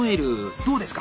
どうですか？